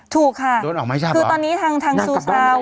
ถูกค่ะคือตอนนี้ทางสุชาว